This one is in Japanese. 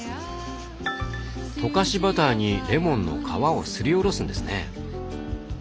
溶かしバターにレモンの皮をすりおろすんですね。